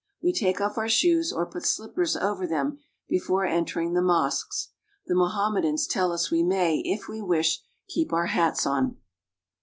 We take off our shoes or put slippers over them before entering the mosques ; the Mohammedans tell us we may, if wc wish, keep our hats on.